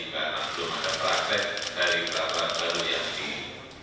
karena belum ada praktek dari peraturan penelitian tinggi